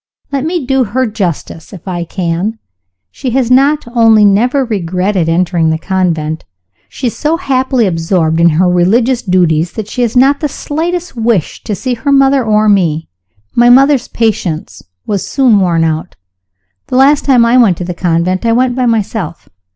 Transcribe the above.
Let me do her justice, if I can. She has not only never regretted entering the convent she is so happily absorbed in her religious duties that she has not the slightest wish to see her mother or me. My mother's patience was soon worn out. The last time I went to the convent, I went by myself.